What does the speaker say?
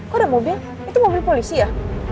kok ada mobil itu mobil polisi ya